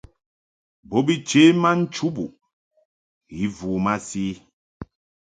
Bo bi chě ma nchubuʼ i vu masi.